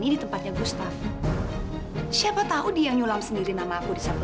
di tempatnya gustaf siapa tahu dia nyulam sendiri nama aku di sana